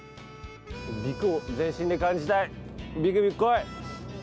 「びくっ」を全身で感じたいびくびくこい。